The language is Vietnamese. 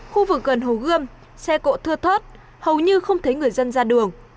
khu vực gần hồ gươm xe cộ thưa thớt hầu như không thấy người dân ra đường